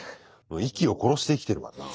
息を殺して生きてるわな。